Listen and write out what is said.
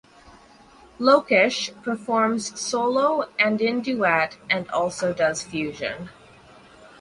Lokesh performs solo and in duet and also does fusion.